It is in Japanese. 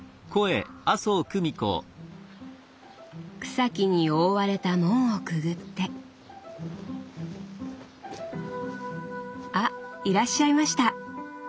草木に覆われた門をくぐってあいらっしゃいました。